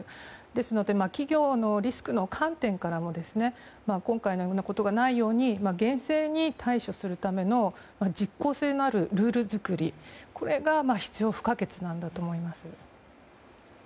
ですので企業のリスクの観点からも今回のようなことがないように厳正に対処するための実効性のあるルール作りが必要不可欠だと思います。